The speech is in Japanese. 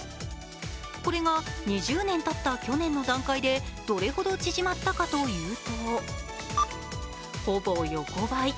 これが２０年たった去年の段階でどれほど縮まったかというとほぼ横ばい。